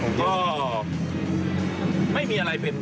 คือโดยเฉพาะการทำประตูปีนี้มีไปร้อนสรุปนะครับ